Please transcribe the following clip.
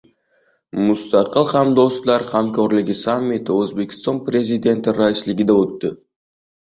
Mustaqil hamdo'stlar hamkorligi sammiti O‘zbekiston Prezidenti raisligida o‘tdi